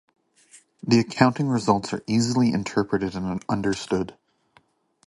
The accounting results are easily interpreted and understood.